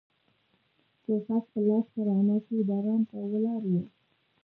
ټوپک په لاس په رڼا کې باران ته ولاړ و.